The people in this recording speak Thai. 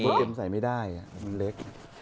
เอ็มใส่ไม่ได้มันเล็ก